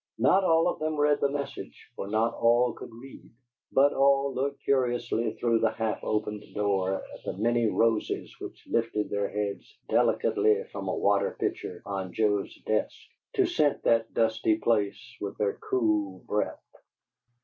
Not all of them read the message, for not all could read, but all looked curiously through the half opened door at the many roses which lifted their heads delicately from a water pitcher on Joe's desk to scent that dusty place with their cool breath.